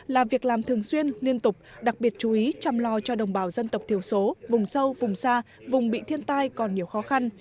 là việc làm thường xuyên liên tục đặc biệt chú ý chăm lo cho đồng bào dân tộc thiểu số vùng sâu vùng xa vùng bị thiên tai còn nhiều khó khăn